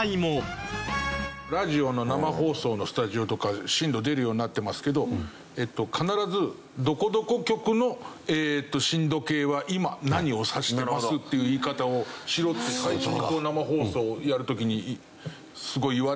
ラジオの生放送のスタジオとか震度出るようになってますけど必ず「どこどこ局の震度計は今何を指してます」っていう言い方をしろって最初に生放送をやる時にすごい言われて。